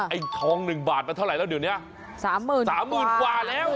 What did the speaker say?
ไอ้ทองหนึ่งบาทมันเท่าไหร่แล้วเดี๋ยวเนี้ยสามหมื่นสามหมื่นกว่าแล้ว